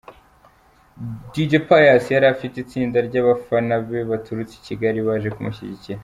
Dj Pius yarafite itsinda ry'abafana be baturutse i Kigali baje kumushyigikira.